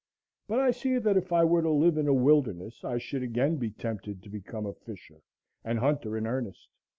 But I see that if I were to live in a wilderness I should again be tempted to become a fisher and hunter in earnest.